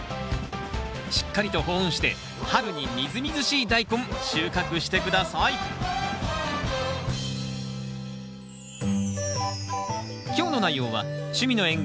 しっかりと保温して春にみずみずしいダイコン収穫して下さい今日の内容は「趣味の園芸やさいの時間」